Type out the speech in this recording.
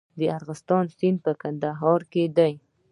د ارغستان سیند په کندهار کې دی